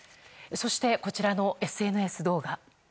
そして、こちらのＳＮＳ動画。